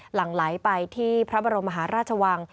หลังไหลไปที่พระบรมมหาราชวัง